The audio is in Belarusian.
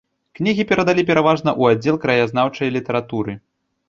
Кнігі перадалі пераважна ў аддзел краязнаўчай літаратуры.